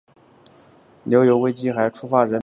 牛油危机还触发人们对政治的不满。